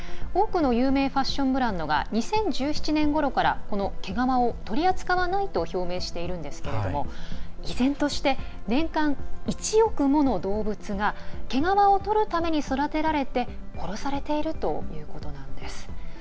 多くの有名ファッションブランドが２０１７年ごろからこの毛皮を取り扱わないと表明しているんですけれども依然として、年間１億もの動物が毛皮をとるために育てられて殺されているということなんです。